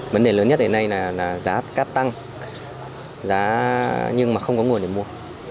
vấn đề lớn nhất hiện nay là giá cắt tăng giá nhưng mà không có nguồn để mua